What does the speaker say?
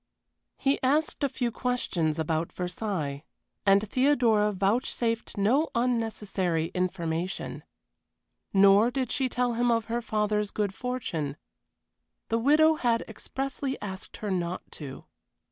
He asked a few questions about Versailles, and Theodora vouchsafed no unnecessary information. Nor did she tell him of her father's good fortune. The widow had expressly asked her not to.